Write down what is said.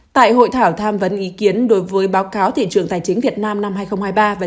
tại hội thảo tham vấn ý kiến đối với báo cáo thị trường tài chính việt nam năm hai nghìn hai mươi ba và